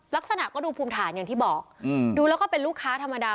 ลักษณะก็ดูภูมิฐานอย่างที่บอกดูแล้วก็เป็นลูกค้าธรรมดา